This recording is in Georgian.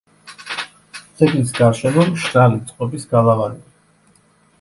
ძეგლის გარშემო მშრალი წყობის გალავანია.